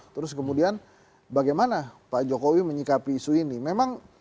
terus kemudian bagaimana pak jokowi menyikapi isu ini memang